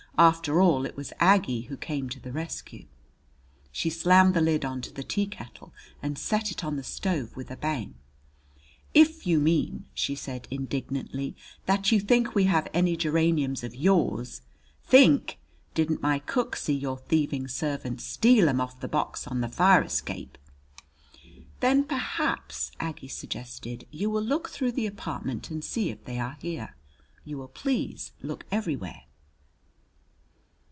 After all, it was Aggie who came to the rescue. She slammed the lid on to the teakettle and set it on the stove with a bang. "If you mean," she said indignantly, "that you think we have any geraniums of yours " "Think! Didn't my cook see your thieving servant steal 'em off the box on the fire escape?" "Then, perhaps," Aggie suggested, "you will look through the apartment and see if they are here. You will please look everywhere!"